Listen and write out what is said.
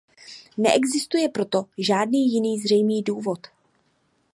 Neexistuje pro to žádný jiný zřejmý důvod.